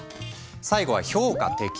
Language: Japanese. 最後は評価適応。